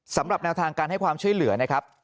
สำหรับแนวทางการให้ความช่วยเหลือนะครับ